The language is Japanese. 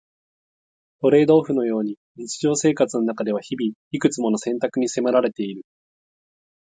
トレードオフのように日常生活の中では日々、いくつもの選択に迫られている。